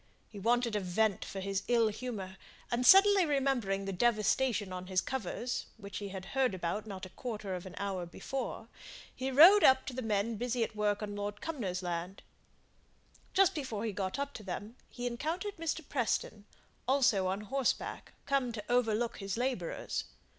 He wanted a vent for his ill humour; and suddenly remembering the devastations on his covers, which he had heard about not a quarter of an hour before, he rode towards the men busy at work on Lord Cumnor's land. Just before he got up to them he encountered Mr. Preston, also on horseback, come to overlook his labourers.